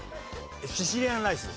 シシリアンライス。